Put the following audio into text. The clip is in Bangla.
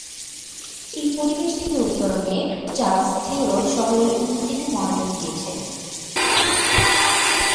এই পরিবেশ থেকে উত্তরণে, চার্লস থিওডোর শহরের উন্নতিতে মনোযোগ দিয়েছিলেন।